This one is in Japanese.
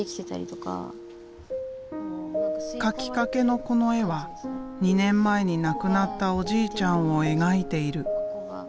描きかけのこの絵は２年前に亡くなったおじいちゃんを描いている。